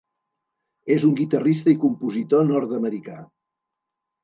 És un guitarrista i compositor nord-americà.